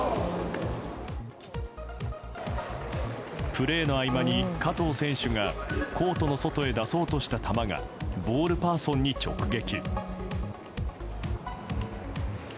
プレーの合間に加藤選手がコートの外へ出そうとした球がボールパーソンに直撃。